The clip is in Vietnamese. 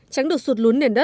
tránh được sụt lún nền đá